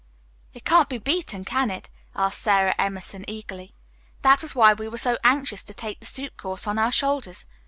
"It can't be beaten, can it?" asked Sara Emerson eagerly. "That was why we were so anxious to take the soup course on our shoulders.